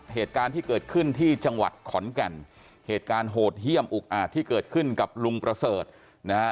เหตุการณ์ที่เกิดขึ้นที่จังหวัดขอนแก่นเหตุการณ์โหดเยี่ยมอุกอาจที่เกิดขึ้นกับลุงประเสริฐนะฮะ